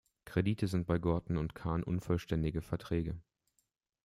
Kredite sind bei Gorton und Kahn unvollständige Verträge.